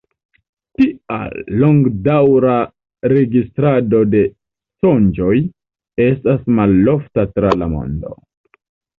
Tia longdaŭra registrado de sonĝoj estas malofta tra la mondo.